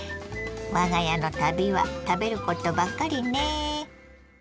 我が家の旅は食べることばっかりね。